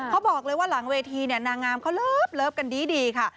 เขาบอกเลยว่าหลังเวทีเนี่ยนางงามเขาเลิฟกันดีค่ะ